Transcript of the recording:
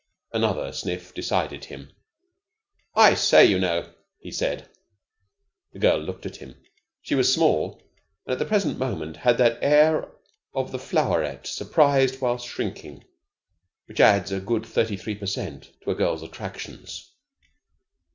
Another sniff decided him. "I say, you know," he said. The girl looked at him. She was small, and at the present moment had that air of the floweret surprized while shrinking, which adds a good thirty three per cent. to a girl's attractions.